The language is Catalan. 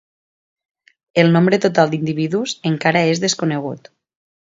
El nombre total d'individus encara és desconegut.